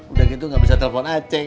udah gitu gak bisa telepon aja cing